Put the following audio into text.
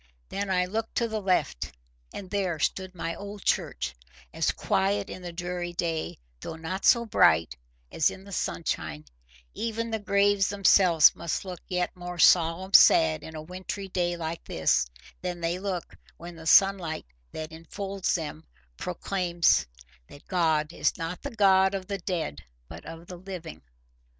Then I looked to the left, and there stood my old church, as quiet in the dreary day, though not so bright, as in the sunshine: even the graves themselves must look yet more "solemn sad" in a wintry day like this, than they look when the sunlight that infolds them proclaims that God is not the God of the dead but of the living.